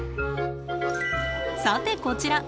さてこちら。